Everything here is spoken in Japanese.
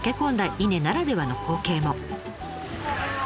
伊根ならではの光景も。